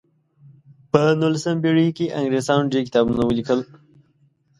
په نولسمه پیړۍ کې انګریزانو ډیر کتابونه ولیکل.